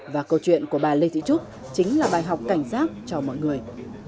và câu chuyện của bà lê thị trúc chính là bài học cảnh giác cho mọi người